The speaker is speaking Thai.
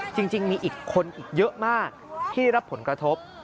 จริงมีอีกคนอีกเยอะมากที่รับผลกระทบ